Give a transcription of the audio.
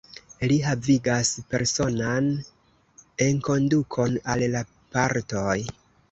Li havigas personan enkondukon al la partoj.